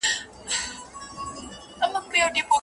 املا د زده کړي د بهیر یو روښانه او اغېزمن فعالیت دی.